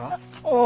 ああ。